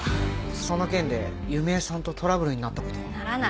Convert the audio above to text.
その件で弓江さんとトラブルになった事は？ならない。